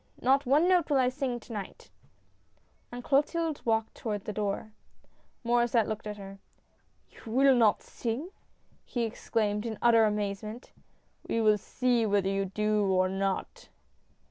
Not one note will I sing to night !" And Clotilde walked toward the door. Maur^sset looked at her. " You will not sing !" he exclaimed in utter amaze ment. "We will see whether you do or not."